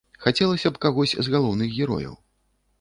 Хацелася б кагось з галоўных герояў.